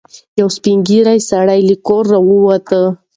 یو سپین ږیری سړی له کوره راووت.